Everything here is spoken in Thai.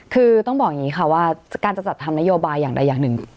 คือต้องบอกอย่างนี้ค่ะว่าการจะจัดทำนโยบายอย่างใดอย่างหนึ่ง